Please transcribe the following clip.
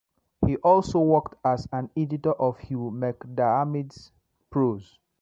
He also worked as an editor of Hugh MacDiarmid's prose.